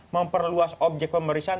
memperluas objek pemeriksaan